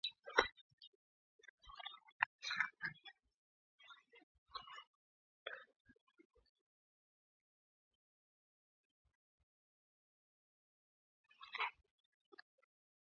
Elmhurst is located at above sea level.